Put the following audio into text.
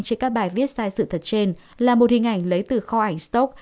trên các bài viết sai sự thật trên là một hình ảnh lấy từ kho ảnh stock